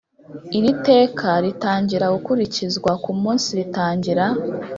Iri teka ritangira gukurikizwa ku munsi ritangira